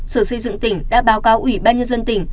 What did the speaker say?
sở xây dựng tỉnh đã báo cáo ubnd tỉnh